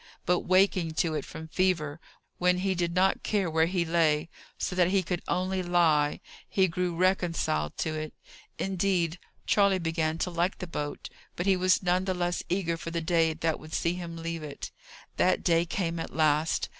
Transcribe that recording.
But waking to it from fever, when he did not care where he lay, so that he could only lie, he grew reconciled to it. Indeed, Charley began to like the boat; but he was none the less eager for the day that would see him leave it. That day came at last.